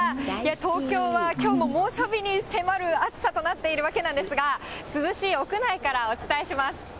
東京はきょうも猛暑日に迫る暑さとなっているわけなんですが、涼しい屋内からお伝えします。